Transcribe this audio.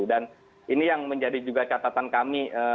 dan ini yang menjadi juga catatan kami